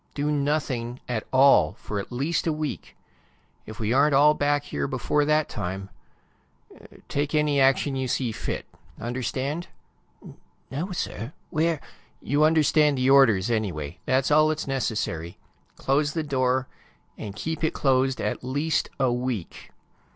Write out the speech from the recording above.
Do nothing at all for at least a week. If we aren't all back here before that time ... take any action you see fit. Understand?" "No no, sir. Where " "You understand the orders, anyway. That's all that's necessary. Close the door and keep it closed at least a week!"